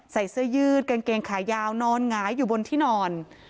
ใส่เสื้อยืดกางเกงขายาวนอนหงายอยู่บนที่นอน